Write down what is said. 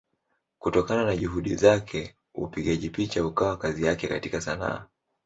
Kutokana na Juhudi zake upigaji picha ukawa kazi yake katika Sanaa.